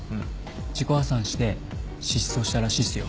自己破産して失踪したらしいっすよ。